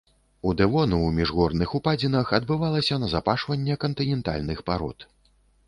У дэвону ў міжгорных упадзінах адбывалася назапашванне кантынентальных парод.